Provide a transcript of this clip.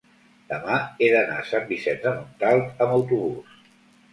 demà he d'anar a Sant Vicenç de Montalt amb autobús.